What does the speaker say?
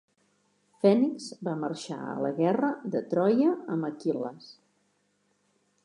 Fènix va marxar a la guerra de Troia amb Aquil·les.